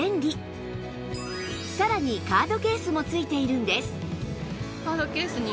さらにカードケースも付いているんです